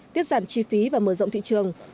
tiết giảm chi phí và mở rộng thị trường